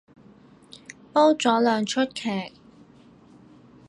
煲咗兩齣劇